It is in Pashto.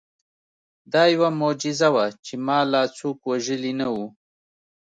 دا یوه معجزه وه چې ما لا څوک وژلي نه وو